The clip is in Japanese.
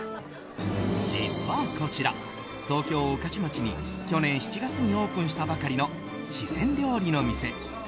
実はこちら、東京・御徒町に去年７月にオープンしたばかりの四川料理の店